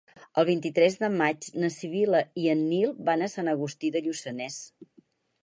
El vint-i-tres de maig na Sibil·la i en Nil van a Sant Agustí de Lluçanès.